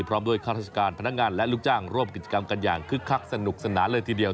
พร้อมด้วยข้าราชการพนักงานและลูกจ้างร่วมกิจกรรมกันอย่างคึกคักสนุกสนานเลยทีเดียว